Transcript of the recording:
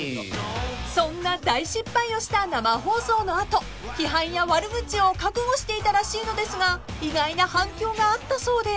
［そんな大失敗をした生放送の後批判や悪口を覚悟していたらしいのですが意外な反響があったそうで］